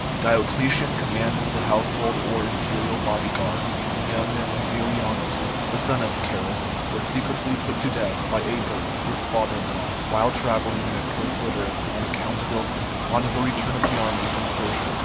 Diocletian commanded the household or imperial body guards when young Numerianus, the son of Carus, was secretly put to death by Aper his father in law, while travelling in a close litter on account of illness, on the return of the army from Persia.